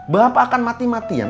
bapak akan mati matian